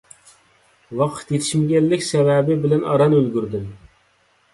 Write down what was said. ۋاقىت يېتىشمىگەنلىك سەۋەبى بىلەن ئاران ئۈلگۈردۈم.